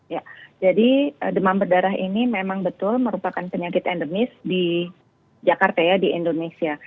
ya jadi demam berdarah ini memang betul merupakan penyakit endemis di jakarta ya di indonesia